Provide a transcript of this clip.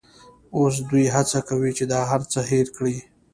اوس دوی هڅه کوي چې دا هرڅه هېر کړي.